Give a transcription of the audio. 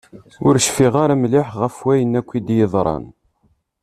Ur cfiɣ ara mliḥ ɣef wayen akk iyi-d-yeḍran.